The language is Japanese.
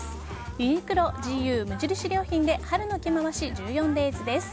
ユニクロ・ＧＵ・無印良品で春の着回し１４ｄａｙｓです。